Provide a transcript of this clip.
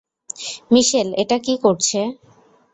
মিশেল এটা কী করছে?